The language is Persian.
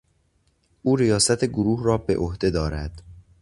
او ریاست گروه را به عهده دارد.